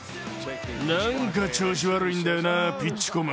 なんか調子悪いんだよな、ピッチコム。